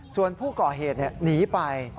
ส่วนผู้ก่อเหตุหนีไป